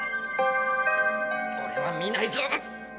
おれは見ないぞ！